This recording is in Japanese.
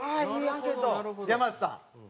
山内さん。